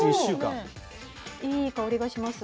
いい香りがします。